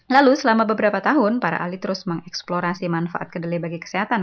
lalu selama beberapa tahun para ahli terus mengeksplorasi manfaat kedelai bagi kesehatan